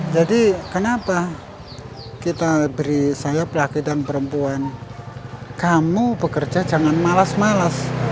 jadi kenapa kita beri sayap laki dan perempuan kamu bekerja jangan malas malas